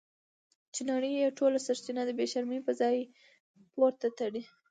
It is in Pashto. چې نړۍ یې ټول سرچینه د بې شرمۍ په ځای پورې تړي.